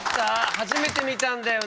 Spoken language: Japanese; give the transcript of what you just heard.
初めて見たんだよね？